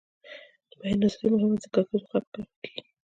د بیان ازادي مهمه ده ځکه چې ښځو غږ قوي کوي.